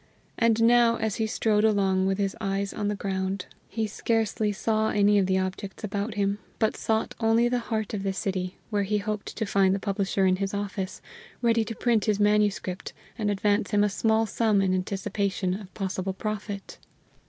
And now, as he strode along with his eyes on the ground, he scarcely saw any of the objects about him, but sought only the heart of the City, where he hoped to find the publisher in his office, ready to print his manuscript, and advance him a small sum in anticipation of possible profit.